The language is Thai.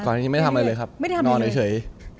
ก่อนอันนี้ไม่ทำอะไรเลยครับนอนเฉย